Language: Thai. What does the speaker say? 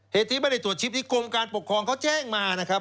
เหตุที่ไม่ได้ตรวจชิปนี้กรมการปกครองเขาแจ้งมานะครับ